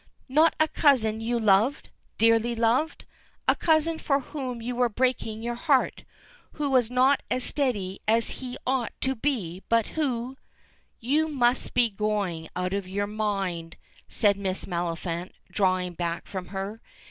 "Not a cousin you loved? Dearly loved? A cousin for whom you were breaking your heart, who was not as steady as he ought to be, but who " "You must be going out of your mind," says Miss Maliphant, drawing back from her.